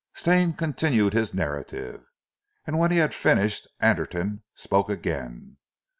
Stane continued his narrative, and when he had finished, Anderton spoke again.